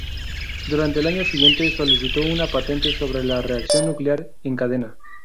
Durante el año siguiente, solicitó una patente sobre la reacción nuclear en cadena.